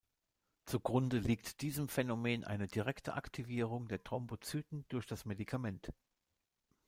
Zu Grunde liegt diesem Phänomen eine direkte Aktivierung der Thrombozyten durch das Medikament.